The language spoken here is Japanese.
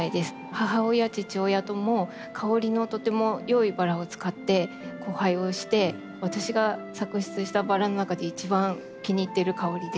母親父親とも香りのとても良いバラを使って交配をして私が作出したバラの中で一番気に入ってる香りです。